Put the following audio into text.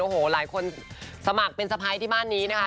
โอ้โหหลายคนสมัครเป็นสะพ้ายที่บ้านนี้นะคะ